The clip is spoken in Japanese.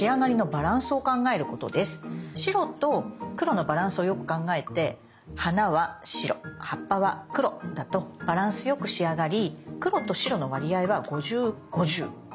白と黒のバランスをよく考えて花は白葉っぱは黒だとバランスよく仕上がり黒と白の割合は５０５０のイメージ。